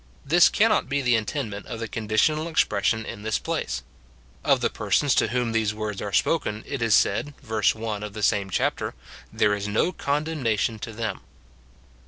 This cannot be the intendment of the conditional expression in this place. Of the persons to whom these words are spoken, it is said, verse 1 of the same chapter, " There is no condemnation to them."